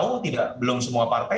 yang ketiga kita tahu belum semua partai